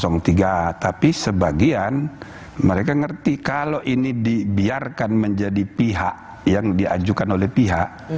tapi sebagian mereka ngerti kalau ini dibiarkan menjadi pihak yang diajukan oleh pihak